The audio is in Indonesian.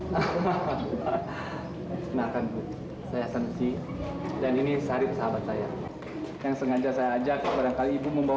kenalkan bu saya samsyi dan ini syarif sahabat saya yang sengaja saya ajak barangkali ibu membawa